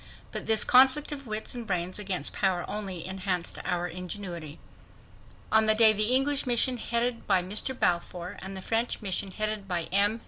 But this conflict of wits and brains against power only enhanced our ingenuity. On the day the English mission headed by Mr. Balfour, and the French mission headed by M.